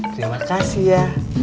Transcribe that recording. terima kasih ya